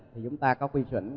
thì chúng ta có quy chuẩn